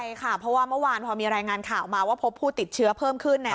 ใช่ค่ะเพราะว่าเมื่อวานพอมีรายงานข่าวมาว่าพบผู้ติดเชื้อเพิ่มขึ้นเนี่ย